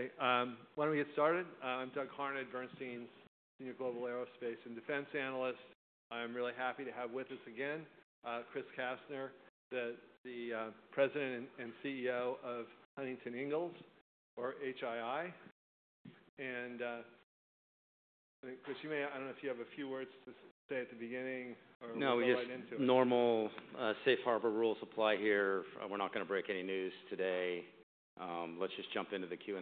Okay. Why don't we get started? I'm Doug Harned, Bernstein's Senior Global Aerospace and Defense Analyst. I'm really happy to have with us again, Chris Kastner, the President and CEO of Huntington Ingalls, or HII. Chris, you may—I don't know if you have a few words to say at the beginning or. No, just normal safe harbor rules apply here. We're not gonna break any news today. Let's just jump into the Q&A.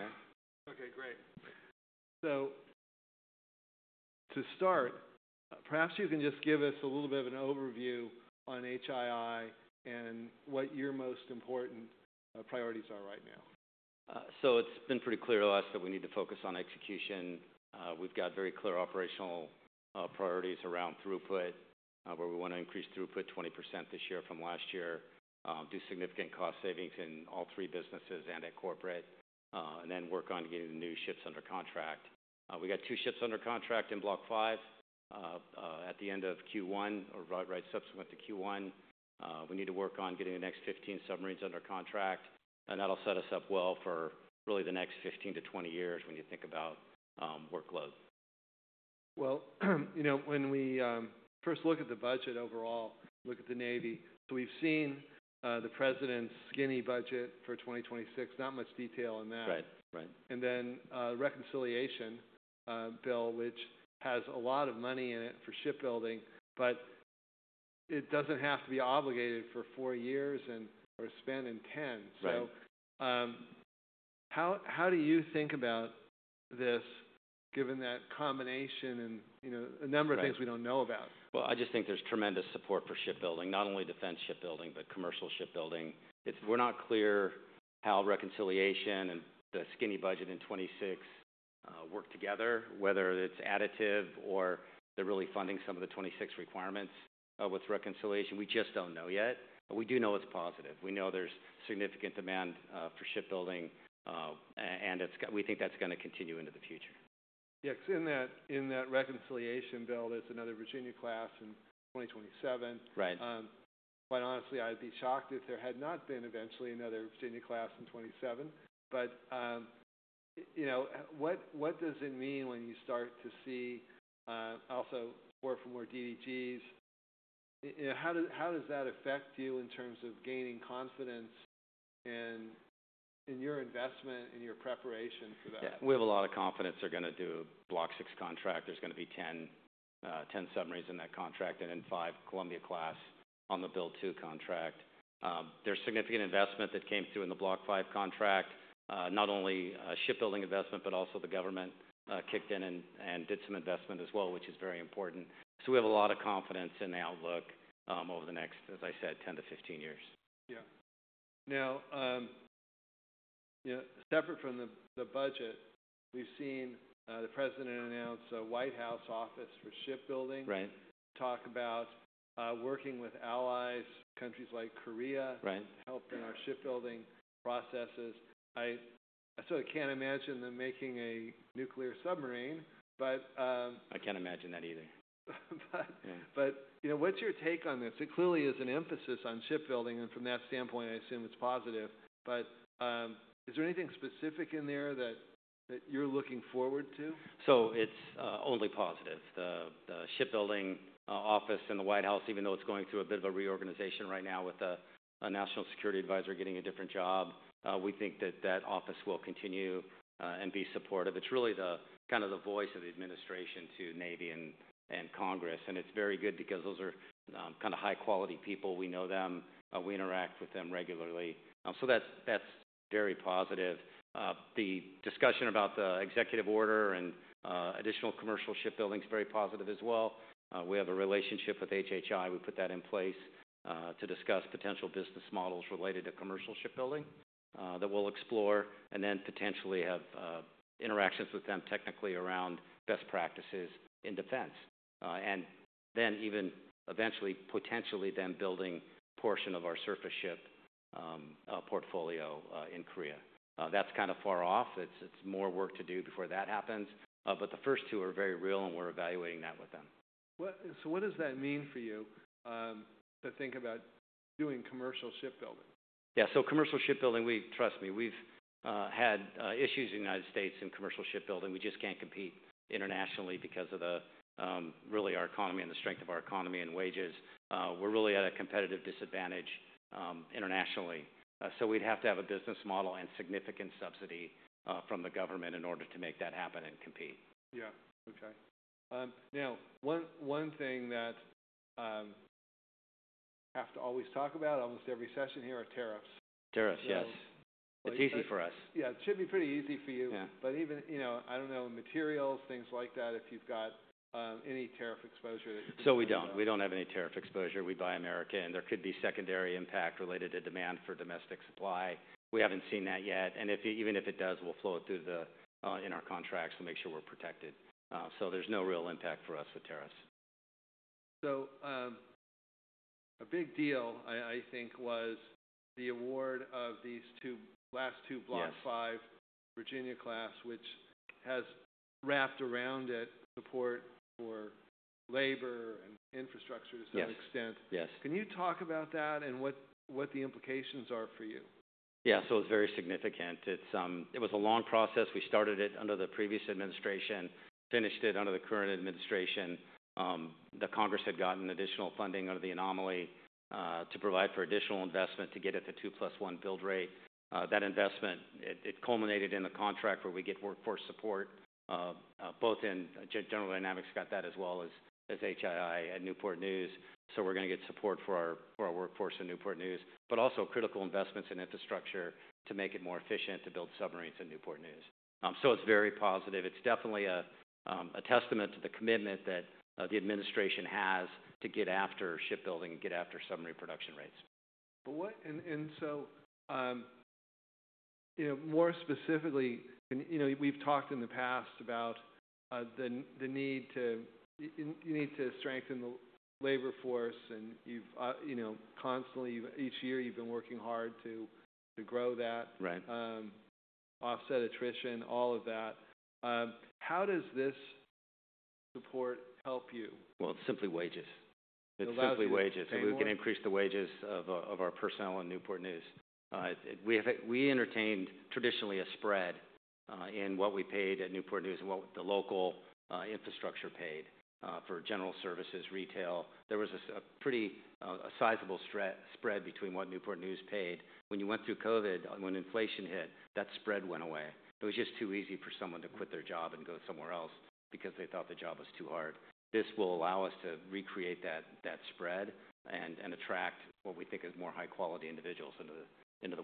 Okay. Great. To start, perhaps you can just give us a little bit of an overview on HII and what your most important priorities are right now. It's been pretty clear to us that we need to focus on execution. We've got very clear operational priorities around throughput, where we want to increase throughput 20% this year from last year, do significant cost savings in all three businesses and at corporate, and then work on getting the new ships under contract. We got two ships under contract in Block Five at the end of Q1 or right subsequent to Q1. We need to work on getting the next 15 submarines under contract, and that'll set us up well for really the next 15-20 years when you think about workload. You know, when we first look at the budget overall, look at the Navy, we've seen the President's skinny budget for 2026, not much detail in that. Right. Right. The reconciliation bill, which has a lot of money in it for shipbuilding, but it does not have to be obligated for four years and or spent in 10. Right. How do you think about this, given that combination and, you know, a number of things we don't know about? I just think there's tremendous support for shipbuilding, not only defense shipbuilding but commercial shipbuilding. It's—we're not clear how reconciliation and the skinny budget in 2026 work together, whether it's additive or they're really funding some of the 2026 requirements with reconciliation. We just don't know yet. We do know it's positive. We know there's significant demand for shipbuilding, and we think that's gonna continue into the future. Yeah. 'Cause in that reconciliation bill, there's another Virginia-class in 2027. Right. Quite honestly, I'd be shocked if there had not been eventually another Virginia-class in 2027. You know, what does it mean when you start to see also more for more DDGs? You know, how does that affect you in terms of gaining confidence in your investment and your preparation for that? Yeah. We have a lot of confidence they're gonna do a Block VI contract. There's gonna be 10 submarines in that contract and then five Columbia-class on the Build Two contract. There's significant investment that came through in the Block V contract, not only shipbuilding investment but also the government kicked in and did some investment as well, which is very important. So we have a lot of confidence in the outlook, over the next, as I said, 10-15 years. Yeah. Now, you know, separate from the budget, we've seen the President announce a White House office for shipbuilding. Right. Talk about working with allies, countries like Korea. Right. Help in our shipbuilding processes. I sort of can't imagine them making a nuclear submarine, but, I can't imagine that either. You know, what's your take on this? It clearly is an emphasis on shipbuilding, and from that standpoint, I assume it's positive. Is there anything specific in there that you're looking forward to? It's only positive. The shipbuilding office in the White House, even though it's going through a bit of a reorganization right now with a national security advisor getting a different job, we think that that office will continue and be supportive. It's really the kind of the voice of the administration to Navy and Congress. It's very good because those are kind of high-quality people. We know them. We interact with them regularly. So that's very positive. The discussion about the executive order and additional commercial shipbuilding is very positive as well. We have a relationship with HD Hyundai Heavy Industries. We put that in place to discuss potential business models related to commercial shipbuilding that we'll explore and then potentially have interactions with them technically around best practices in defense, and then even eventually potentially them building a portion of our surface ship portfolio in Korea. That's kind of far off. It's more work to do before that happens, but the first two are very real, and we're evaluating that with them. What—so what does that mean for you, to think about doing commercial shipbuilding? Yeah. Commercial shipbuilding, we—trust me, we've had issues in the United States in commercial shipbuilding. We just can't compete internationally because of really our economy and the strength of our economy and wages. We're really at a competitive disadvantage internationally. We'd have to have a business model and significant subsidy from the government in order to make that happen and compete. Yeah. Okay. Now, one thing that we have to always talk about almost every session here are tariffs. Tariffs. Yes. Oh. It's easy for us. Yeah. It should be pretty easy for you. Yeah. Even, you know, I don't know, materials, things like that, if you've got any tariff exposure, that. We do not have any tariff exposure. We buy American. There could be secondary impact related to demand for domestic supply. We have not seen that yet. If it—even if it does, we will flow it through in our contracts to make sure we are protected. There is no real impact for us with tariffs. A big deal, I think, was the award of these last two Block V. Yes. Virginia-class, which has wrapped around it support for labor and infrastructure to some extent. Yes. Yes. Can you talk about that and what the implications are for you? Yeah. It was very significant. It was a long process. We started it under the previous administration, finished it under the current administration. The Congress had gotten additional funding under the anomaly to provide for additional investment to get at the two-plus-one build rate. That investment culminated in the contract where we get workforce support, both in General Dynamics got that as well as HII at Newport News. We are gonna get support for our workforce in Newport News, but also critical investments in infrastructure to make it more efficient to build submarines in Newport News. It is very positive. It is definitely a testament to the commitment that the administration has to get after shipbuilding and get after submarine production rates. What—and, and so, you know, more specifically, can you know, we've talked in the past about the need to—you need to strengthen the labor force, and you've, you know, constantly, each year, you've been working hard to grow that. Right. Offset attrition, all of that. How does this support help you? It's simply wages. Oh, that's right. It's simply wages. Okay. We can increase the wages of our personnel in Newport News. We have traditionally entertained a spread in what we paid at Newport News and what the local infrastructure paid for general services, retail. There was a pretty sizable spread between what Newport News paid. When you went through COVID, when inflation hit, that spread went away. It was just too easy for someone to quit their job and go somewhere else because they thought the job was too hard. This will allow us to recreate that spread and attract what we think is more high-quality individuals into the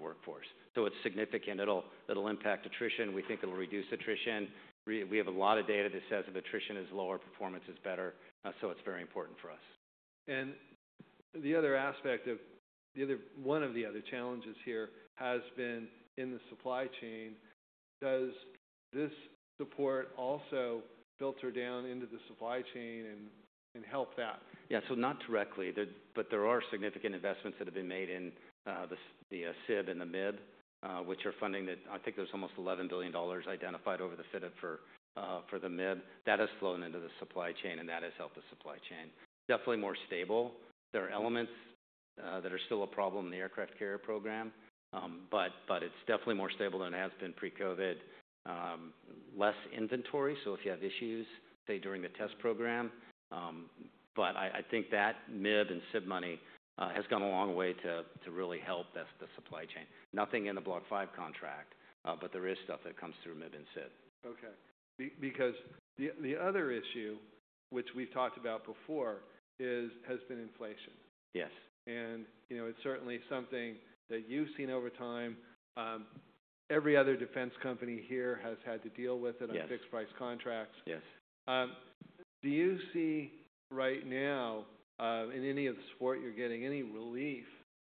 workforce. It is significant. It will impact attrition. We think it will reduce attrition. We have a lot of data that says if attrition is lower, performance is better. It is very important for us. The other aspect, one of the other challenges here, has been in the supply chain. Does this support also filter down into the supply chain and help that? Yeah. Not directly. There are significant investments that have been made in the SIB and the MIB, which are funding that I think there's almost $11 billion identified over the FIDIC for the MIB. That has flown into the supply chain, and that has helped the supply chain. Definitely more stable. There are elements that are still a problem in the aircraft carrier program, but it's definitely more stable than it has been pre-COVID. Less inventory. If you have issues, say, during the test program, I think that MIB and SIB money has gone a long way to really help the supply chain. Nothing in the block five contract, but there is stuff that comes through MIB and SIB. Okay. Because the other issue, which we've talked about before, has been inflation. Yes. You know, it's certainly something that you've seen over time. Every other defense company here has had to deal with it. Yes. On fixed-price contracts. Yes. Do you see right now, in any of the support you're getting, any relief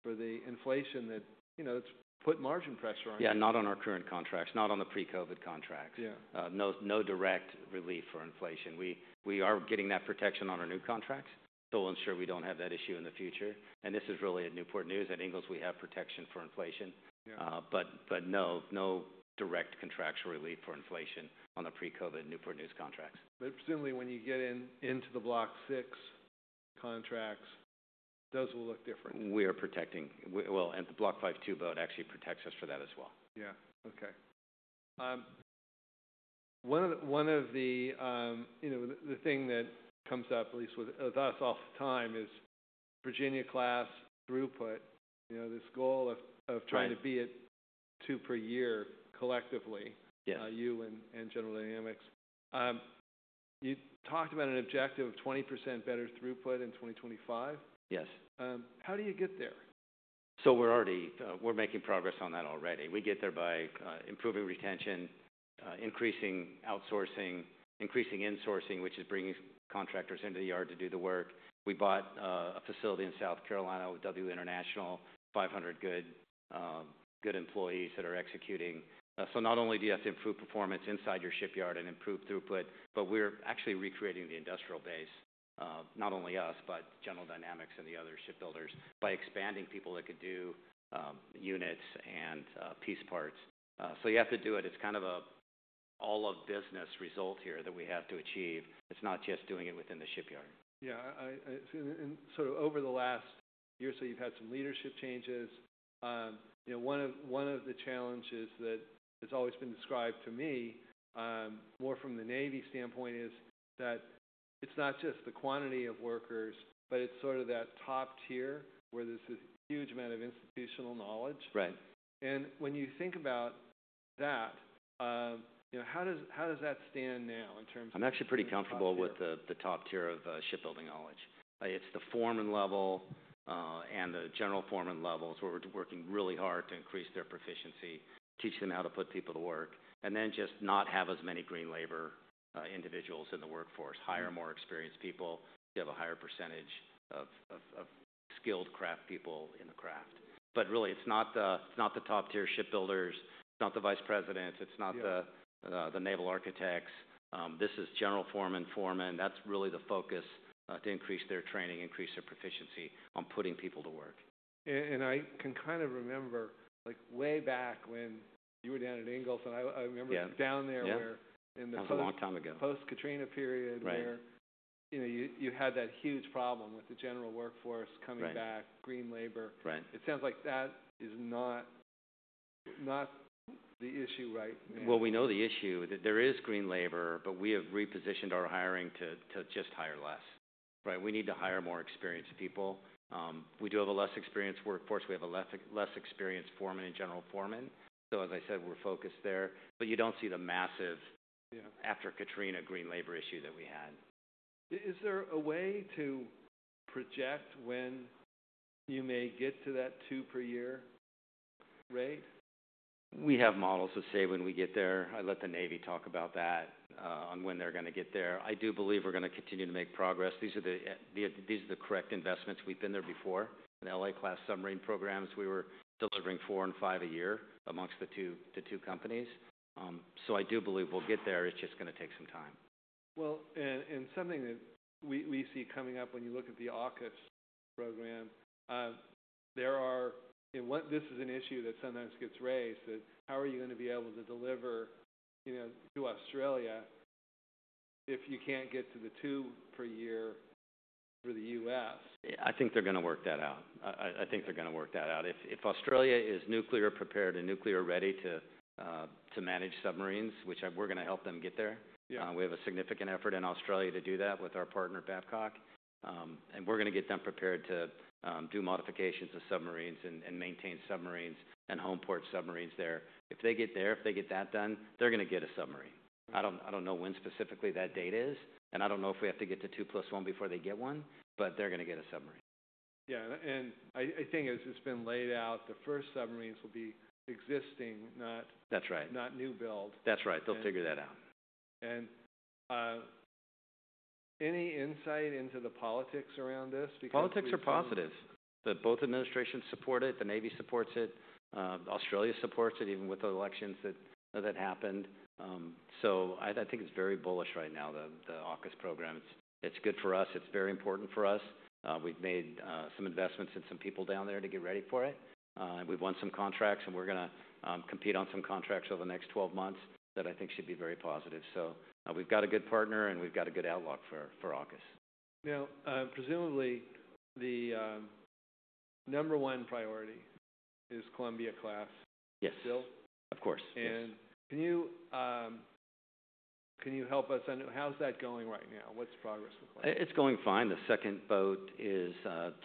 for the inflation that, you know, it's put margin pressure on you? Yeah. Not on our current contracts. Not on the pre-COVID contracts. Yeah. No, no direct relief for inflation. We are getting that protection on our new contracts, so we'll ensure we don't have that issue in the future. This is really at Newport News. At Ingalls, we have protection for inflation. Yeah. No direct contractual relief for inflation on the pre-COVID Newport News contracts. Presumably, when you get in, into the Block VI contracts, those will look different. We are protecting. We—well, and the Block V two boat actually protects us for that as well. Yeah. Okay. One of the, you know, the thing that comes up, at least with us all the time, is Virginia-class throughput, you know, this goal of trying to be at. Right. Two per year collectively. Yes. you and General Dynamics. you talked about an objective of 20% better throughput in 2025. Yes. How do you get there? We're already making progress on that already. We get there by improving retention, increasing outsourcing, increasing insourcing, which is bringing contractors into the yard to do the work. We bought a facility in South Carolina with W International, 500 good, good employees that are executing. Not only do you have to improve performance inside your shipyard and improve throughput, but we're actually recreating the industrial base, not only us but General Dynamics and the other shipbuilders by expanding people that could do units and piece parts. You have to do it. It's kind of an all-of-business result here that we have to achieve. It's not just doing it within the shipyard. Yeah. I see. And sort of over the last year or so, you've had some leadership changes. You know, one of the challenges that has always been described to me, more from the Navy standpoint, is that it's not just the quantity of workers, but it's sort of that top tier where there's this huge amount of institutional knowledge. Right. When you think about that, you know, how does that stand now in terms of. I'm actually pretty comfortable with the top tier of shipbuilding knowledge. It's the foreman level and the general foreman levels where we're working really hard to increase their proficiency, teach them how to put people to work, and then just not have as many green labor individuals in the workforce. Hire more experienced people so you have a higher percentage of skilled craft people in the craft. Really, it's not the top-tier shipbuilders. It's not the vice presidents. It's not the. Yeah. The naval architects, this is general foreman, foreman. That's really the focus, to increase their training, increase their proficiency on putting people to work. I can kind of remember, like, way back when you were down at Ingalls and I remember. Yeah. Down there where. Yeah. In the post. That was a long time ago. Post-Katrina period where. Right. You know, you had that huge problem with the general workforce coming back. Right. Green labor. Right. It sounds like that is not the issue, right? We know the issue. There is green labor, but we have repositioned our hiring to just hire less. Right? We need to hire more experienced people. We do have a less experienced workforce. We have a less experienced foreman and general foreman. As I said, we are focused there. You do not see the massive. Yeah. After-Katrina green labor issue that we had. Is there a way to project when you may get to that two-per-year rate? We have models to say when we get there. I let the Navy talk about that, on when they're gonna get there. I do believe we're gonna continue to make progress. These are the correct investments. We've been there before. In LA-class submarine programs, we were delivering four and five a year amongst the two companies. I do believe we'll get there. It's just gonna take some time. And something that we see coming up when you look at the AUKUS program, there are, and what this is, an issue that sometimes gets raised, that how are you gonna be able to deliver, you know, to Australia if you can't get to the two-per-year for the U.S.? I think they're gonna work that out. I think they're gonna work that out. If Australia is nuclear prepared and nuclear ready to manage submarines, which I think we're gonna help them get there. Yeah. We have a significant effort in Australia to do that with our partner, Babcock. We are gonna get them prepared to do modifications to submarines and maintain submarines and home port submarines there. If they get there, if they get that done, they are gonna get a submarine. I do not know when specifically that date is, and I do not know if we have to get to two-plus-one before they get one, but they are gonna get a submarine. Yeah. I think as it's been laid out, the first submarines will be existing, not. That's right. Not new build. That's right. They'll figure that out. Any insight into the politics around this? Because. Politics are positive. Both administrations support it. The Navy supports it. Australia supports it even with the elections that happened. I think it's very bullish right now, the AUKUS program. It's good for us. It's very important for us. We've made some investments and some people down there to get ready for it. We've won some contracts, and we're gonna compete on some contracts over the next 12 months that I think should be very positive. We've got a good partner, and we've got a good outlook for AUKUS. Now, presumably, the number one priority is Columbia-class. Yes. Still? Of course. Yes. Can you help us on how's that going right now? What's progress look like? It's going fine. The second boat is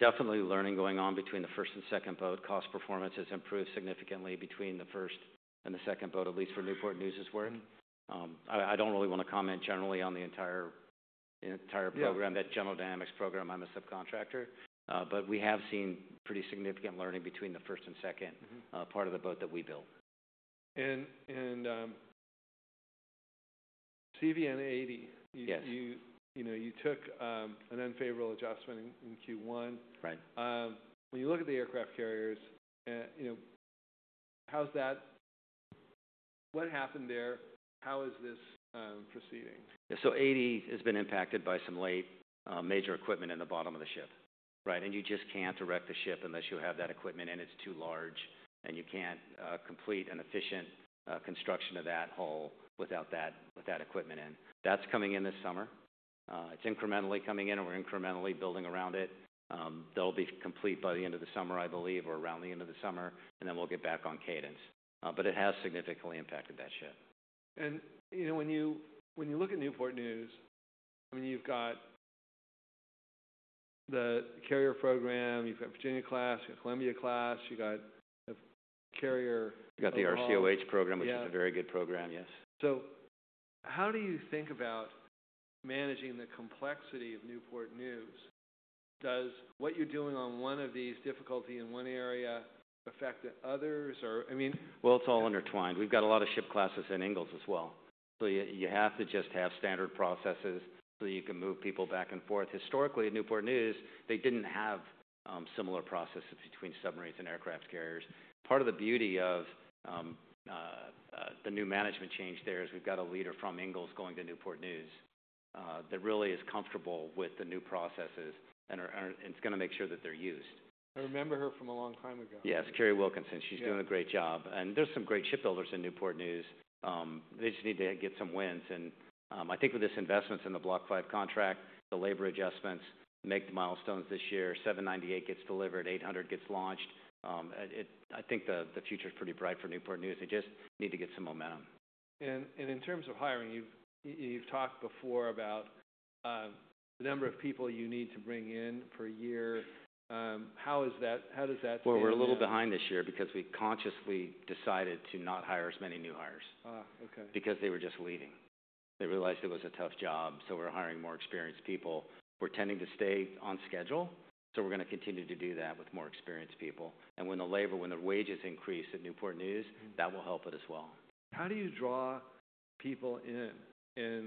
definitely learning going on between the first and second boat. Cost performance has improved significantly between the first and the second boat, at least for Newport News' work. Mm-hmm. I don't really wanna comment generally on the entire program. Yeah. That General Dynamics program. I'm a subcontractor, but we have seen pretty significant learning between the first and second. Mm-hmm. part of the boat that we built. CVN 80. Yes. You know, you took an unfavorable adjustment in Q1. Right. When you look at the aircraft carriers, you know, how's that? What happened there? How is this proceeding? Eighty has been impacted by some late, major equipment in the bottom of the ship. Right? You just can't direct the ship unless you have that equipment, and it's too large, and you can't complete an efficient construction of that hull without that equipment in. That's coming in this summer. It's incrementally coming in, and we're incrementally building around it. They'll be complete by the end of the summer, I believe, or around the end of the summer, and then we'll get back on cadence. It has significantly impacted that ship. You know, when you look at Newport News, I mean, you've got the carrier program. You've got Virginia class. You've got Columbia class. You've got a carrier. You've got the RCOH program, which is a very good program. Yes. How do you think about managing the complexity of Newport News? Does what you're doing on one of these, difficulty in one area, affect the others, or, I mean? It is all intertwined. We've got a lot of ship classes in Ingalls as well. You have to just have standard processes so that you can move people back and forth. Historically, at Newport News, they did not have similar processes between submarines and aircraft carriers. Part of the beauty of the new management change there is we've got a leader from Ingalls going to Newport News that really is comfortable with the new processes and is going to make sure that they are used. I remember her from a long time ago. Yes. Kerry Wilkinson. She's doing a great job. There are some great shipbuilders in Newport News. They just need to get some wins. I think with these investments in the Block V contract, the labor adjustments make the milestones this year. 798 gets delivered. 800 gets launched. I think the future's pretty bright for Newport News. They just need to get some momentum. And in terms of hiring, you've talked before about the number of people you need to bring in per year. How is that? How does that stand? We're a little behind this year because we consciously decided to not hire as many new hires. okay. Because they were just leaving. They realized it was a tough job, so we're hiring more experienced people. We're tending to stay on schedule, so we're gonna continue to do that with more experienced people. And when the labor, when the wages increase at Newport News. Mm-hmm. That will help it as well. How do you draw people in, you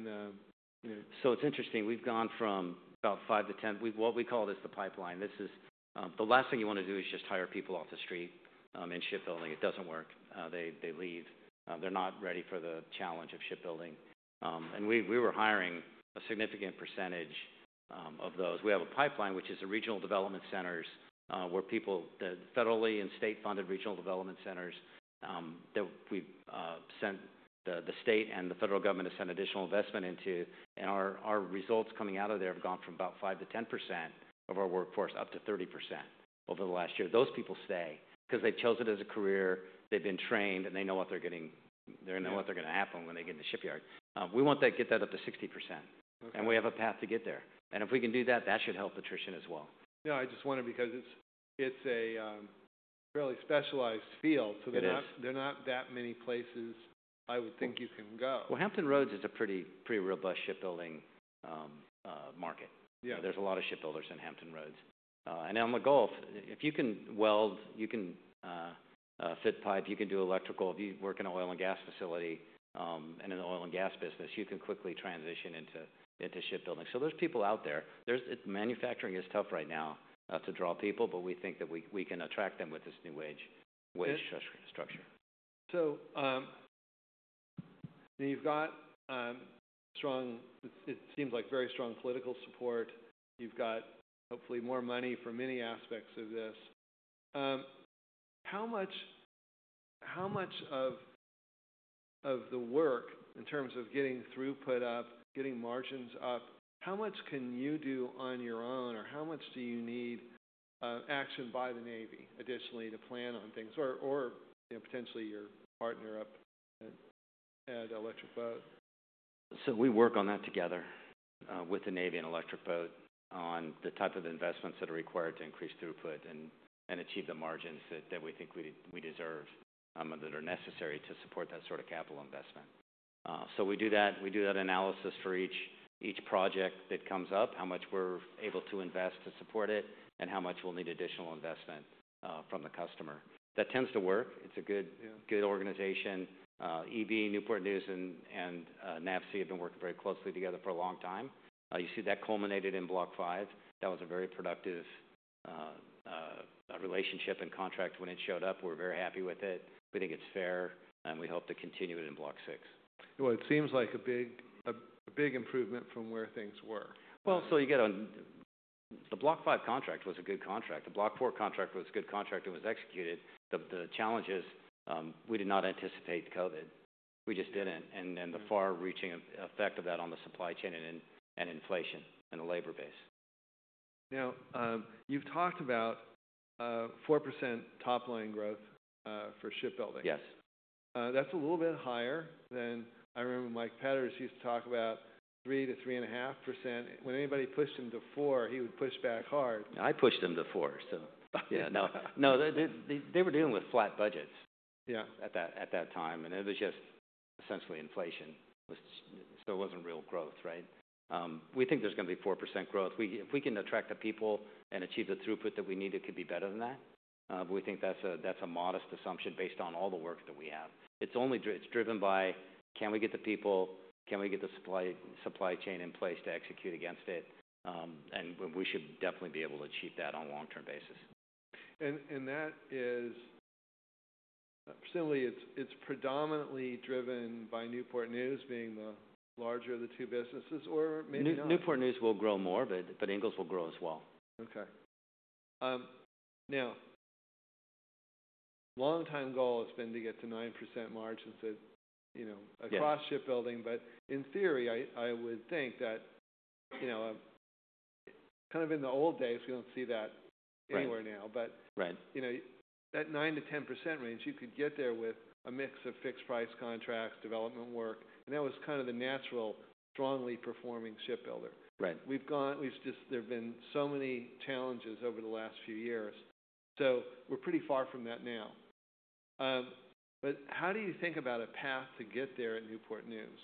know? It's interesting. We've gone from about 5%-10%. We call this the pipeline. The last thing you want to do is just hire people off the street in shipbuilding. It doesn't work. They leave. They're not ready for the challenge of shipbuilding. We were hiring a significant percentage of those. We have a pipeline, which is the regional development centers, where people at federally and state-funded regional development centers, that we've sent the, the state and the federal government has sent additional investment into. Our results coming out of there have gone from about 5%-10% of our workforce up to 30% over the last year. Those people stay because they've chosen it as a career. They've been trained, and they know what they're getting. They know what is going to happen when they get in the shipyard. we want that, get that up to 60%. Okay. We have a path to get there. If we can do that, that should help attrition as well. Yeah. I just wonder because it's, it's a fairly specialized field. It is. There're not that many places, I would think, you can go. Hampton Roads is a pretty, pretty robust shipbuilding, market. Yeah. are a lot of shipbuilders in Hampton Roads. And on the Gulf, if you can weld, you can fit pipe. You can do electrical. If you work in an oil and gas facility, and in the oil and gas business, you can quickly transition into shipbuilding. There are people out there. Manufacturing is tough right now to draw people, but we think that we can attract them with this new wage structure. Yeah. You have got strong, it seems like very strong political support. You have got, hopefully, more money for many aspects of this. How much of the work in terms of getting throughput up, getting margins up, how much can you do on your own, or how much do you need action by the Navy additionally to plan on things or, you know, potentially your partner up at Electric Boat? We work on that together, with the Navy and Electric Boat on the type of investments that are required to increase throughput and achieve the margins that we think we deserve, and that are necessary to support that sort of capital investment. We do that. We do that analysis for each project that comes up, how much we're able to invest to support it and how much we'll need additional investment from the customer. That tends to work. It's good. Yeah. Good organization. EB, Newport News, and NAFSE have been working very closely together for a long time. You see that culminated in block five. That was a very productive relationship and contract when it showed up. We're very happy with it. We think it's fair, and we hope to continue it in block six. It seems like a big improvement from where things were. You get on the block five contract was a good contract. The block four contract was a good contract and was executed. The challenge is, we did not anticipate COVID. We just did not. And then the far-reaching effect of that on the supply chain and inflation and the labor base. Now, you've talked about 4% top line growth for shipbuilding. Yes. that's a little bit higher than I remember Mike Petters used to talk about 3%-3.5%. When anybody pushed him to 4%, he would push back hard. I pushed him to 4%, so. Yeah. No, no. They were dealing with flat budgets. Yeah. At that time. It was just essentially inflation, so it wasn't real growth. Right? We think there's gonna be 4% growth. If we can attract the people and achieve the throughput that we need, it could be better than that. We think that's a modest assumption based on all the work that we have. It's only driven by can we get the people? Can we get the supply, supply chain in place to execute against it? We should definitely be able to achieve that on a long-term basis. That is, presumably, it's predominantly driven by Newport News being the larger of the two businesses or maybe not? Newport News will grow more, but Ingalls will grow as well. Okay. Now, long-time goal has been to get to 9% margins that, you know, across shipbuilding. Yeah. In theory, I would think that, you know, kind of in the old days, we do not see that anywhere now. Right. You know, that 9%-10% range, you could get there with a mix of fixed-price contracts, development work, and that was kind of the natural strongly performing shipbuilder. Right. We've gone, we've just, there've been so many challenges over the last few years, so we're pretty far from that now. How do you think about a path to get there at Newport News?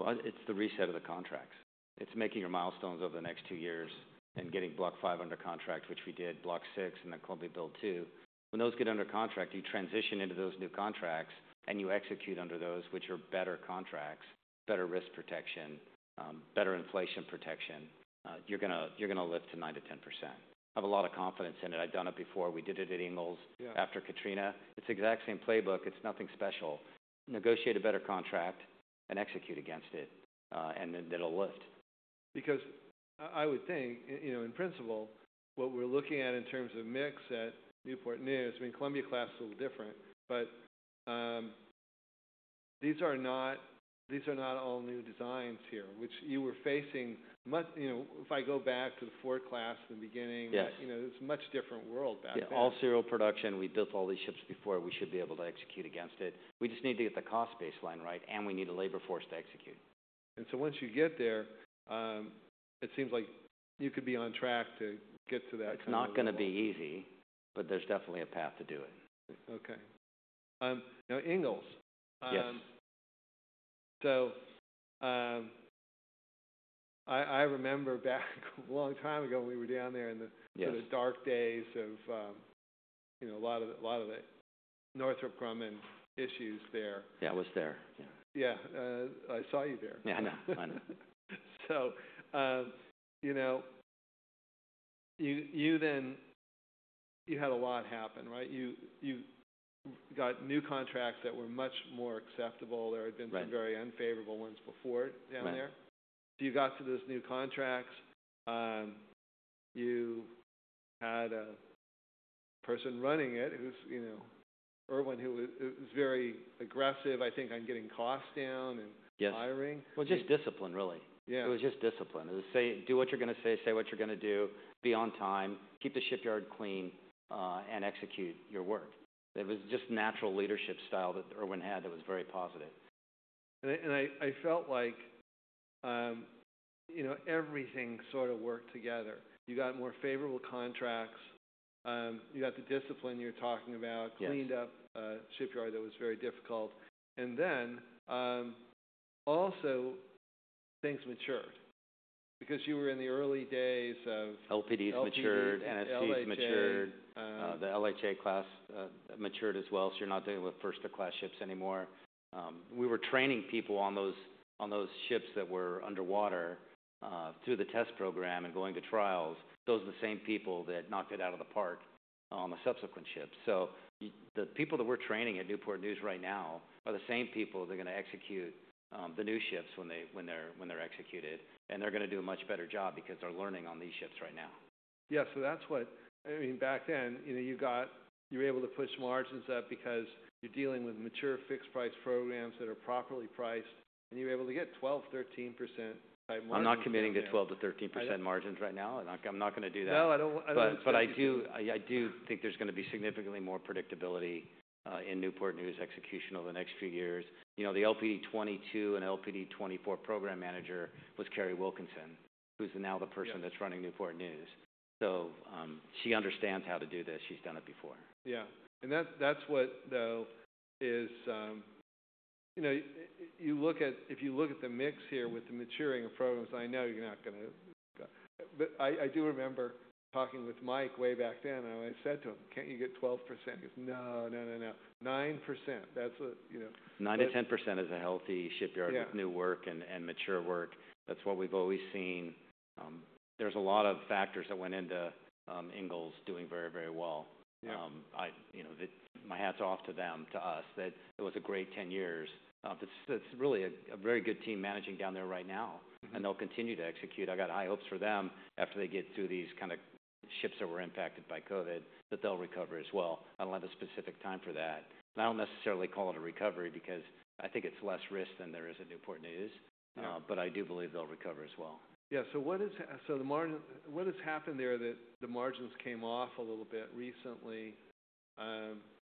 It is the reset of the contracts. It is making your milestones over the next two years and getting block five under contract, which we did, block six, and then Columbia Build Two. When those get under contract, you transition into those new contracts, and you execute under those, which are better contracts, better risk protection, better inflation protection. You are gonna lift to 9%-10%. I have a lot of confidence in it. I have done it before. We did it at Ingalls. Yeah. After Katrina. It's the exact same playbook. It's nothing special. Negotiate a better contract and execute against it, and then it'll lift. Because I would think, you know, in principle, what we're looking at in terms of mix at Newport News, I mean, Columbia-class is a little different, but these are not all new designs here, which you were facing, you know, if I go back to the Ford class in the beginning. Yes. You know, it's a much different world back then. Yeah. All serial production. We built all these ships before. We should be able to execute against it. We just need to get the cost baseline right, and we need a labor force to execute. Once you get there, it seems like you could be on track to get to that. It's not gonna be easy, but there's definitely a path to do it. Okay. Now, Ingalls. Yes. I remember back a long time ago when we were down there in the. Yes. In the dark days of, you know, a lot of the Northrop Grumman issues there. Yeah. I was there. Yeah. Yeah. I saw you there. Yeah. I know. I know. You know, you then had a lot happen. Right? You got new contracts that were much more acceptable. There had been some very unfavorable ones before down there. Right. You got to those new contracts. You had a person running it who's, you know, Irwin, who was very aggressive, "I think I'm getting costs down and hiring. Yes. Just discipline, really. Yeah. It was just discipline. It was say, "Do what you're gonna say. Say what you're gonna do. Be on time. Keep the shipyard clean, and execute your work." It was just natural leadership style that Irwin had that was very positive. I felt like, you know, everything sort of worked together. You got more favorable contracts. You got the discipline you were talking about. Yes. Cleaned up a shipyard that was very difficult. Also, things matured because you were in the early days of. LPDs matured. NSCs matured. LPDs. The LHA class matured as well, so you're not dealing with first-class ships anymore. We were training people on those ships that were underwater, through the test program and going to trials. Those are the same people that knocked it out of the park on the subsequent ships. The people that we're training at Newport News right now are the same people that are gonna execute the new ships when they're executed. And they're gonna do a much better job because they're learning on these ships right now. Yeah. So that's what I mean, back then, you know, you got you were able to push margins up because you're dealing with mature fixed-price programs that are properly priced, and you were able to get 12%-13% type margins. I'm not committing to 12%-13% margins right now. I'm not, I'm not gonna do that. No, I don't see. I do think there's gonna be significantly more predictability in Newport News execution over the next few years. You know, the LPD 22 and LPD 24 program manager was Kerry Wilkinson, who's now the person that's running Newport News. So, she understands how to do this. She's done it before. Yeah. That-that's what though is, you know, you look at if you look at the mix here with the maturing of programs, I know you're not gonna, but I, I do remember talking with Mike way back then, and I said to him, "Can't you get 12%?" He goes, "No, no, no, no. 9%. That's what, you know. 9%-10% is a healthy shipyard. Yeah. With new work and mature work. That's what we've always seen. There's a lot of factors that went into Ingalls doing very, very well. Yeah. I, you know, my hat's off to them, to us, that it was a great 10 years. It's, it's really a, a very good team managing down there right now. Mm-hmm. They'll continue to execute. I got high hopes for them after they get through these kind of ships that were impacted by COVID that they'll recover as well. I don't have a specific time for that. I don't necessarily call it a recovery because I think it's less risk than there is at Newport News. Yeah. I do believe they'll recover as well. Yeah. So what is, so the margin, what has happened there that the margins came off a little bit recently?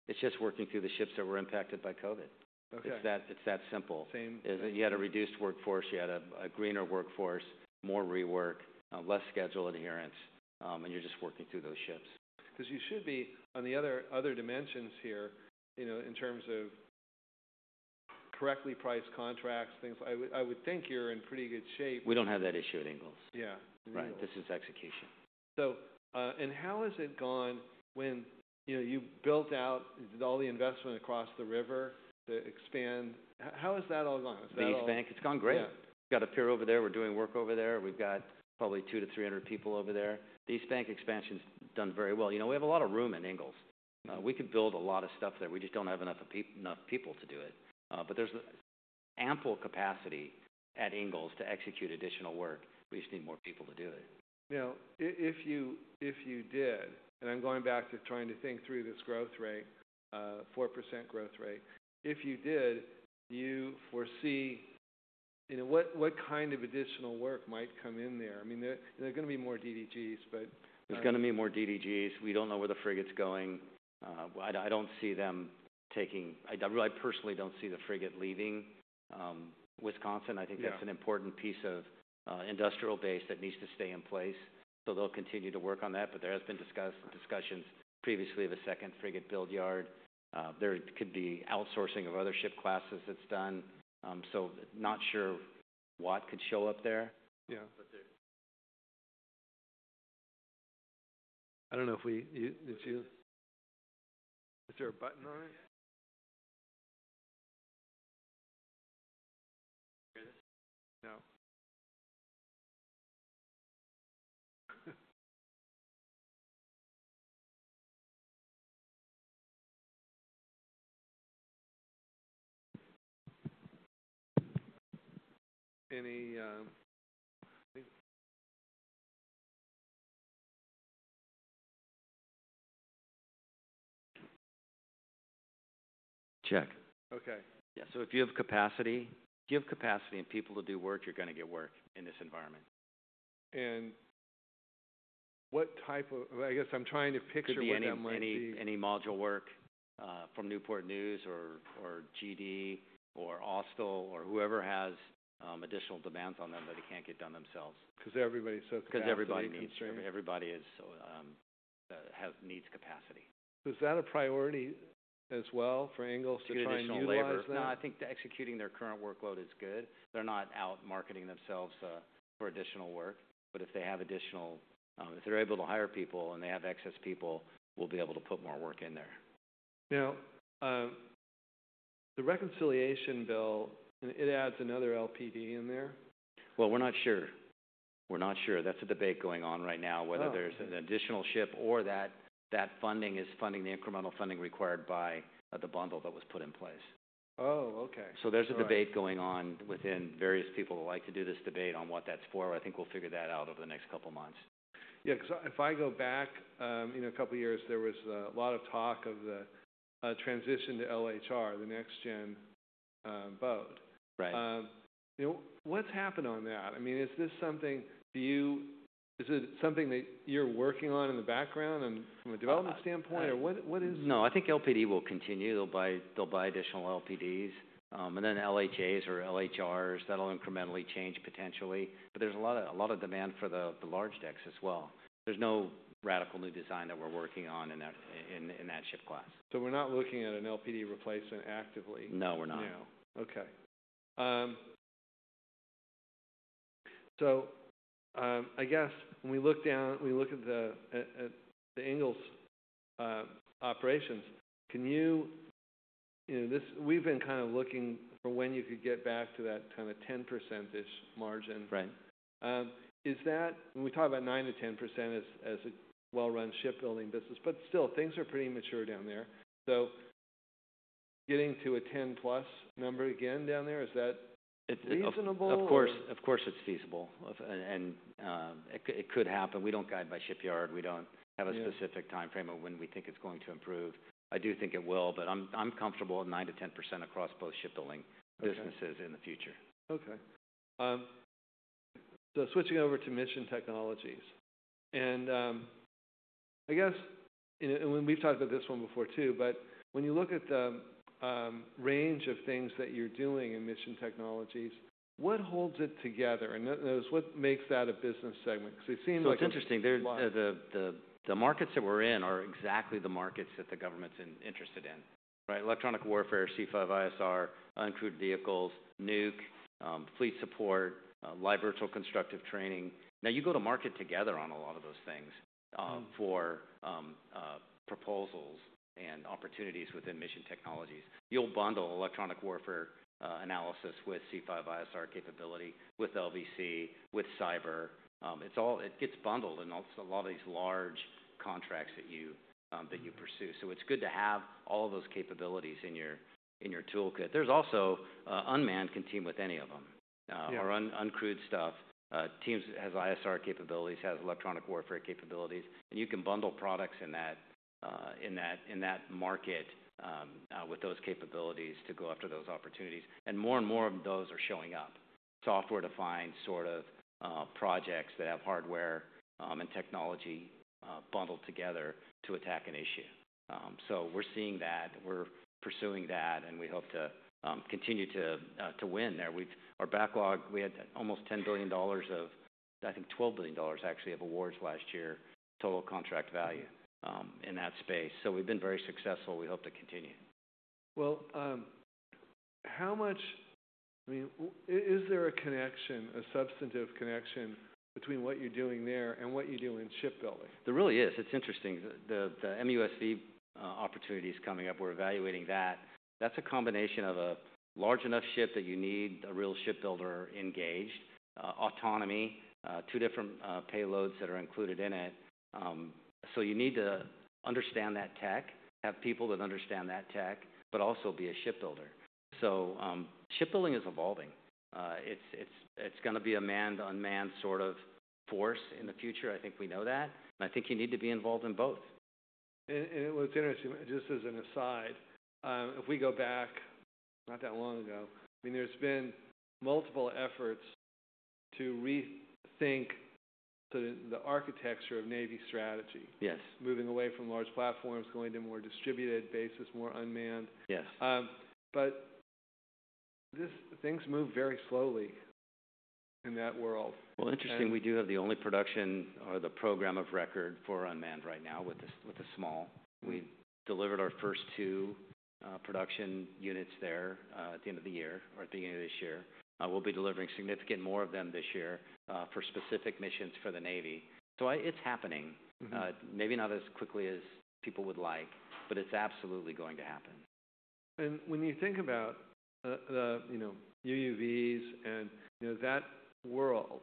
It's just working through the ships that were impacted by COVID. Okay. It's that simple. Same. Is that you had a reduced workforce. You had a greener workforce, more rework, less schedule adherence, and you're just working through those ships. 'Cause you should be on the other, other dimensions here, you know, in terms of correctly priced contracts, things. I would think you're in pretty good shape. We don't have that issue at Ingalls. Yeah. Right. This is execution. And how has it gone when, you know, you built out all the investment across the river to expand? How has that all gone? Is that all. The East Bank, it's gone great. Yeah. We've got a pier over there. We're doing work over there. We've got probably 200-300 people over there. The East Bank expansion's done very well. You know, we have a lot of room at Ingalls. We could build a lot of stuff there. We just don't have enough people to do it. There is ample capacity at Ingalls to execute additional work. We just need more people to do it. Now, if you did, and I'm going back to trying to think through this growth rate, 4% growth rate. If you did, you foresee, you know, what kind of additional work might come in there? I mean, there are gonna be more DDGs, but. There's gonna be more DDGs. We don't know where the frigate's going. I don't see them taking, I really personally don't see the frigate leaving Wisconsin. Yeah. I think that's an important piece of industrial base that needs to stay in place. They'll continue to work on that, but there have been discussions previously of a second frigate build yard. There could be outsourcing of other ship classes that's done. Not sure what could show up there. Yeah. I don't know if we, you, did you, is there a button on it? No? Any, any? Check. Okay. Yeah. If you have capacity and people to do work, you're gonna get work in this environment. What type of, I guess I'm trying to picture what you're gonna see. Any module work from Newport News or GD or Austal or whoever has additional demands on them that they can't get done themselves. 'Cause everybody's so capacity-. 'Cause everybody has needs, capacity. Is that a priority as well for Ingalls to try and do that? Execution of labor is not, I think, executing their current workload is good. They're not out marketing themselves for additional work. If they have additional, if they're able to hire people and they have excess people, we'll be able to put more work in there. Now, the reconciliation bill, it adds another LPD in there? We're not sure. We're not sure. That's a debate going on right now. Oh. Whether there's an additional ship or that funding is funding the incremental funding required by the bundle that was put in place. Oh, okay. There's a debate going on within various people who like to do this debate on what that's for. I think we'll figure that out over the next couple of months. Yeah. 'Cause if I go back, you know, a couple of years, there was a lot of talk of the transition to LHA, the next-gen boat. Right. You know, what's happened on that? I mean, is this something, do you, is it something that you're working on in the background and from a development standpoint? No. Or what, what is? No. I think LPD will continue. They'll buy additional LPDs, and then LHAs or LHRs. That'll incrementally change potentially. There is a lot of demand for the large decks as well. There is no radical new design that we're working on in that ship class. We're not looking at an LPD replacement actively? No, we're not. No. Okay. I guess when we look down, when we look at the Ingalls operations, can you, you know, this, we've been kind of looking for when you could get back to that kind of 10%-ish margin. Right. Is that when we talk about 9%-10% as a well-run shipbuilding business, but still, things are pretty mature down there. Getting to a 10%+ number again down there, is that reasonable? Of course, it's feasible. It could happen. We do not guide by shipyard. We do not have a specific timeframe of when we think it is going to improve. I do think it will, but I am comfortable at 9%-10% across both shipbuilding businesses in the future. Okay. Switching over to Mission Technologies. I guess, you know, and we've talked about this one before too, but when you look at the range of things that you're doing in Mission Technologies, what holds it together? That is, what makes that a business segment? 'Cause it seems like a lot. It's interesting. The markets that we're in are exactly the markets that the government's interested in. Right? Electronic warfare, C5ISR, uncrewed vehicles, nuke, fleet support, live virtual constructive training. Now, you go to market together on a lot of those things, for proposals and opportunities within Mission Technologies. You'll bundle electronic warfare analysis with C5ISR capability, with LVC, with cyber. It all gets bundled in a lot of these large contracts that you pursue. It's good to have all of those capabilities in your toolkit. There's also unmanned, can team with any of them. Yeah. Or un-uncrewed stuff. Teams has ISR capabilities, has electronic warfare capabilities. You can bundle products in that market, with those capabilities to go after those opportunities. More and more of those are showing up, software-defined sort of projects that have hardware and technology bundled together to attack an issue. We're seeing that. We're pursuing that, and we hope to continue to win there. Our backlog, we had almost $10 billion of, I think, $12 billion actually of awards last year, total contract value, in that space. We've been very successful. We hope to continue. How much, I mean, is there a connection, a substantive connection between what you're doing there and what you do in shipbuilding? There really is. It's interesting. The MUSV opportunity is coming up. We're evaluating that. That's a combination of a large enough ship that you need a real shipbuilder engaged, autonomy, two different payloads that are included in it. You need to understand that tech, have people that understand that tech, but also be a shipbuilder. Shipbuilding is evolving. It's gonna be a manned, unmanned sort of force in the future. I think we know that. I think you need to be involved in both. It was interesting, just as an aside, if we go back not that long ago, I mean, there's been multiple efforts to rethink the architecture of Navy strategy. Yes. Moving away from large platforms, going to more distributed basis, more unmanned. Yes. but these things move very slowly in that world. Interesting. We do have the only production or the program of record for unmanned right now with the small. We delivered our first two production units there at the end of the year or at the beginning of this year. We'll be delivering significant more of them this year for specific missions for the Navy. So I, it's happening. Mm-hmm. Maybe not as quickly as people would like, but it's absolutely going to happen. When you think about the, you know, UUVs and, you know, that world,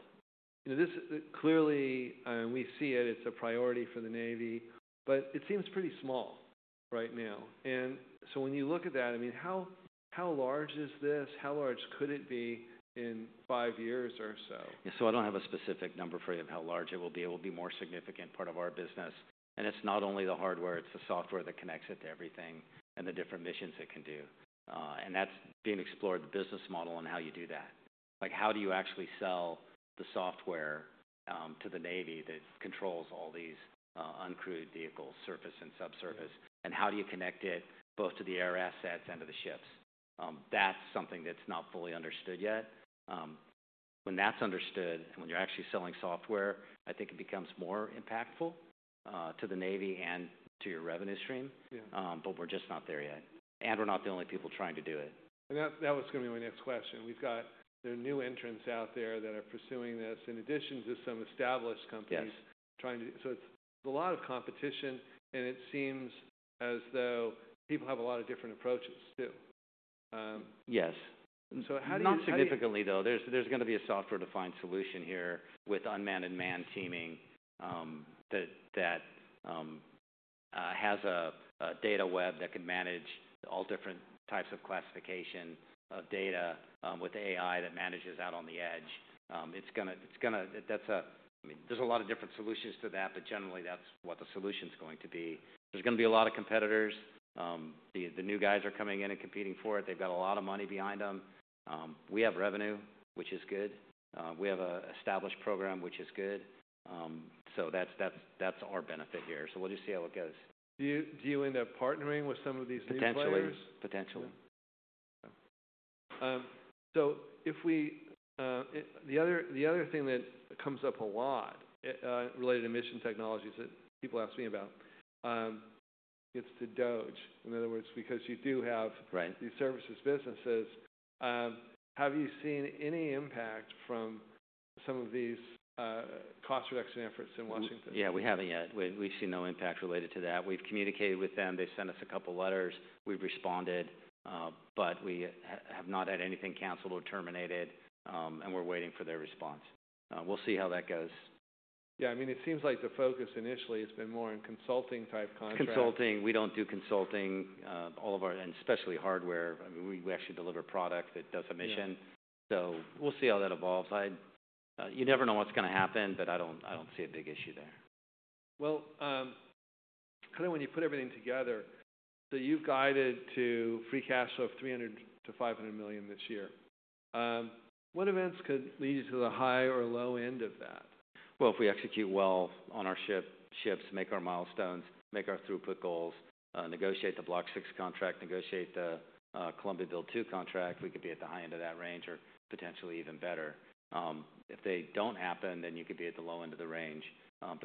you know, this clearly, we see it. It's a priority for the Navy, but it seems pretty small right now. When you look at that, I mean, how large is this? How large could it be in five years or so? Yeah. I do not have a specific number for you of how large it will be. It will be a more significant part of our business. It is not only the hardware. It is the software that connects it to everything and the different missions it can do, and that is being explored, the business model and how you do that. Like, how do you actually sell the software to the Navy that controls all these uncrewed vehicles, surface and subsurface? How do you connect it both to the air assets and to the ships? That is something that is not fully understood yet. When that is understood and when you are actually selling software, I think it becomes more impactful to the Navy and to your revenue stream. Yeah. We're just not there yet. We're not the only people trying to do it. That was gonna be my next question. We've got new entrants out there that are pursuing this in addition to some established companies. Yes. Trying to, so it's a lot of competition, and it seems as though people have a lot of different approaches too. Yes. How do you think? Not significantly though. There's gonna be a software-defined solution here with unmanned manned teaming, that has a data web that can manage all different types of classification of data, with AI that manages out on the edge. It's gonna, it's gonna, that's a, I mean, there's a lot of different solutions to that, but generally, that's what the solution's going to be. There's gonna be a lot of competitors. The new guys are coming in and competing for it. They've got a lot of money behind them. We have revenue, which is good. We have an established program, which is good. That's our benefit here. We'll just see how it goes. Do you end up partnering with some of these new players? Potentially. Potentially. Yeah. So if we, the other thing that comes up a lot, related to Mission Technologies that people ask me about, it's to DOGE. In other words, because you do have. Right. These services businesses, have you seen any impact from some of these, cost reduction efforts in Washington? Yeah. We have not yet. We have seen no impact related to that. We have communicated with them. They sent us a couple of letters. We have responded, but we have not had anything canceled or terminated, and we are waiting for their response. We will see how that goes. Yeah. I mean, it seems like the focus initially has been more in consulting-type contracts. Consulting. We do not do consulting. All of our, and especially hardware, I mean, we actually deliver product that does a mission. Yeah. We'll see how that evolves. You never know what's gonna happen, but I don't see a big issue there. When you put everything together, you have guided to free cash of $300 million-$500 million this year. What events could lead you to the high or low end of that? If we execute well on our ships, make our milestones, make our throughput goals, negotiate the Block VI contract, negotiate the Columbia Build Two contract, we could be at the high end of that range or potentially even better. If they do not happen, then you could be at the low end of the range.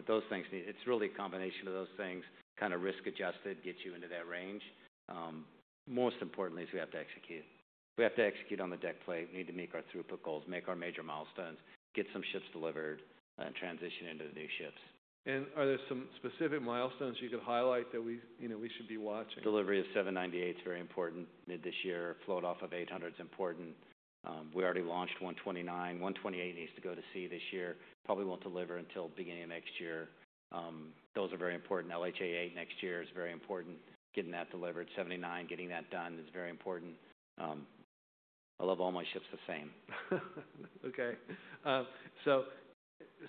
Those things need, it is really a combination of those things, kind of risk-adjusted, get you into that range. Most importantly, we have to execute. We have to execute on the deck plate. We need to meet our throughput goals, make our major milestones, get some ships delivered, and transition into the new ships. Are there some specific milestones you could highlight that we, you know, we should be watching? Delivery of 798 is very important mid this year. Float off of 800 is important. We already launched 129. 128 needs to go to sea this year. Probably will not deliver until beginning of next year. Those are very important. LHA-8 next year is very important. Getting that delivered. 79, getting that done is very important. I love all my ships the same. Okay.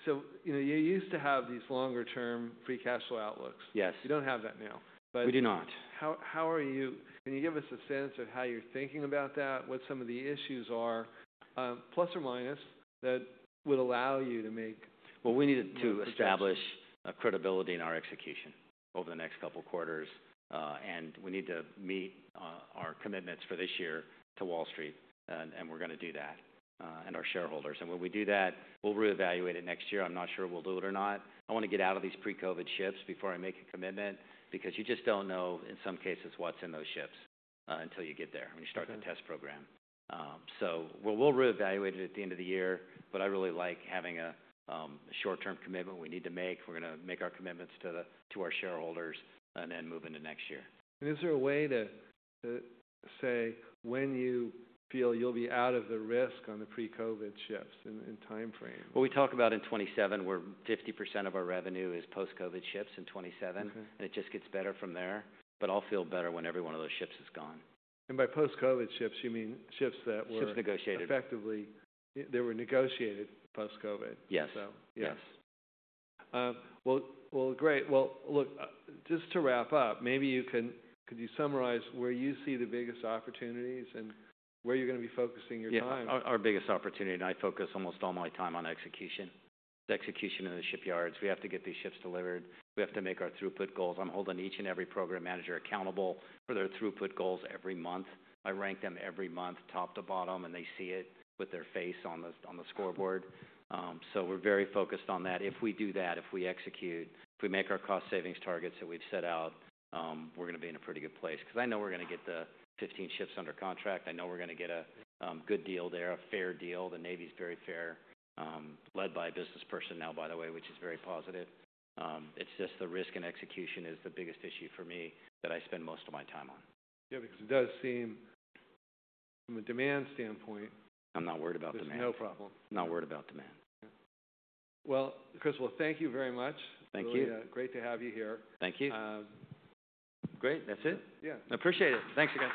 So, you know, you used to have these longer-term free cash flow outlooks. Yes. You don't have that now. We do not. How are you, can you give us a sense of how you're thinking about that, what some of the issues are, plus or minus, that would allow you to make? We need to establish credibility in our execution over the next couple of quarters. We need to meet our commitments for this year to Wall Street, and we're gonna do that, and our shareholders. When we do that, we'll reevaluate it next year. I'm not sure we'll do it or not. I wanna get out of these pre-COVID ships before I make a commitment because you just don't know, in some cases, what's in those ships until you get there when you start the test program. Right. We'll reevaluate it at the end of the year, but I really like having a short-term commitment we need to make. We're gonna make our commitments to our shareholders and then move into next year. Is there a way to, to say when you feel you'll be out of the risk on the pre-COVID ships in, in timeframe? We talk about in 2027 where 50% of our revenue is post-COVID ships in 2027. Okay. It just gets better from there. I'll feel better when every one of those ships is gone. By post-COVID ships, you mean ships that were. Ships negotiated. Effectively, they were negotiated post-COVID. Yes. So, yeah. Yes. Great. Look, just to wrap up, maybe you can, could you summarize where you see the biggest opportunities and where you're gonna be focusing your time? Yeah. Our biggest opportunity, and I focus almost all my time on execution, execution of the shipyards. We have to get these ships delivered. We have to make our throughput goals. I'm holding each and every program manager accountable for their throughput goals every month. I rank them every month, top to bottom, and they see it with their face on the scoreboard. We are very focused on that. If we do that, if we execute, if we make our cost savings targets that we've set out, we're gonna be in a pretty good place 'cause I know we're gonna get the 15 ships under contract. I know we're gonna get a good deal there, a fair deal. The Navy's very fair, led by a business person now, by the way, which is very positive. It's just the risk and execution is the biggest issue for me that I spend most of my time on. Yeah. Because it does seem, from a demand standpoint. I'm not worried about demand. It's no problem. I'm not worried about demand. Yeah. Chris, thank you very much. Thank you. Great to have you here. Thank you. Great. That's it. Yeah. I appreciate it. Thanks again.